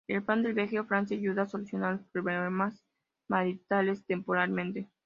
El plan del viaje a Francia ayuda a solucionar los problemas maritales temporalmente.